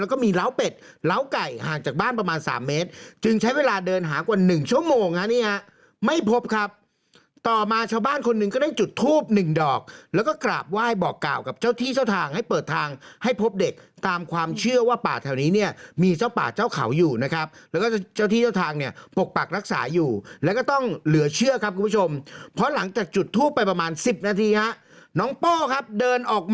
แล้วก็มีเบาะน้ำแล้วก็มีเหล้าเป็ดเหล้าไก่ห่างจากบ้านประมาณ๓เมตรจึงใช้เวลาเดินหากว่า๑ชั่วโมงครับนี่ครับไม่พบครับต่อมาชาวบ้านคนหนึ่งก็ได้จุดทูบ๑ดอกแล้วก็กราบไหว้บอกกล่าวกับเจ้าที่เจ้าทางให้เปิดทางให้พบเด็กตามความเชื่อว่าป่าแถวนี้เนี่ยมีเจ้าป่าเจ้าเขาอยู่นะครับแล้วก็เจ้าที่เ